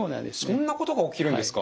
そんなことが起きるんですか！